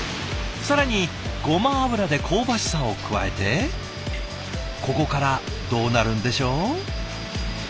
更にごま油で香ばしさを加えてここからどうなるんでしょう？